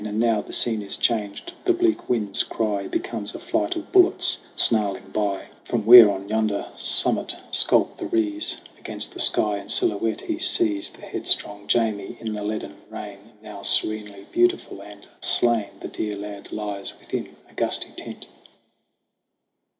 And now the scene is changed ; the bleak wind's cry Becomes a flight of bullets snarling by 60 SONG OF HUGH GLASS From where on yonder summit skulk the Rees. Against the sky, in silhouette, he sees The headstrong Jamie in the leaden rain. And now serenely beautiful and slain The dear lad lies within a gusty tent.